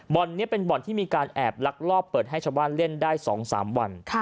นี้เป็นบ่อนที่มีการแอบลักลอบเปิดให้ชาวบ้านเล่นได้๒๓วัน